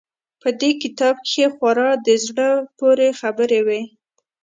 په دې کتاب کښې خورا په زړه پورې خبرې وې.